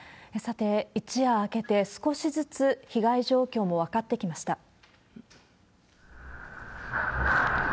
さて、一夜明けて少しずつ被害状況も分かってきました。